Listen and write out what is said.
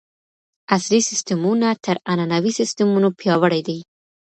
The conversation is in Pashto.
عصري سیستمونه تر عنعنوي سیستمونو پیاوړي دي.